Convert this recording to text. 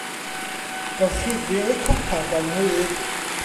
Gorchuddir y copa gan rug.